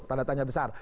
tanda tanya besar